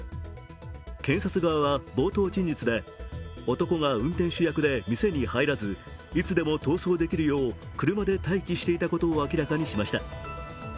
検察側は冒頭陳述で、男が運転手役で店に入らず、いつでも逃走できるよう車で待機していたことを明らかにしました。